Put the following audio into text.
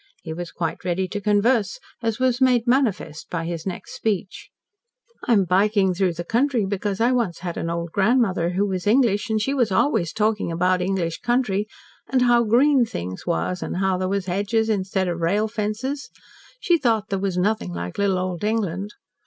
He was quite ready to converse, as was made manifest by his next speech. "I'm biking through the country because I once had an old grandmother that was English, and she was always talking about English country, and how green things was, and how there was hedges instead of rail fences. She thought there was nothing like little old England.